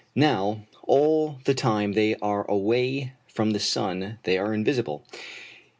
Now, all the time they are away from the sun they are invisible.